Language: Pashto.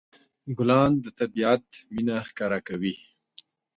ګلان د طبيعت مینه ښکاره کوي.